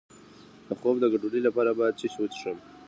د خوب د ګډوډۍ لپاره باید څه مه څښم؟